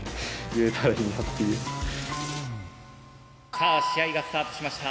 さあ試合がスタートしました。